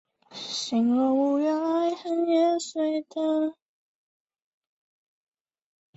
也会在人名与剧情当中加入这一类元素。